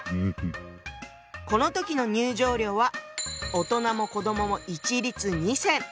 この時の入場料は大人も子どもも一律２銭。